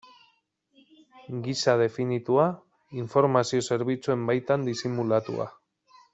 Gisa definitua, informazio zerbitzuen baitan disimulatua.